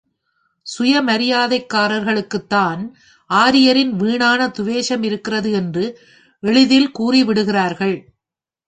சுயமரியாதைக்காரர்களுக்குத் தான் ஆரியரின் வீணான துவேஷமிருக்கிறது என்று எளிதில் கூறிவிடுகிறார்கள்.